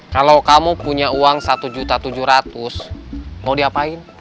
kalau kamu punya uang satu tujuh ratus mau diapain